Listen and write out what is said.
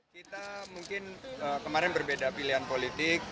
kita mungkin kemarin berbeda pilihan politik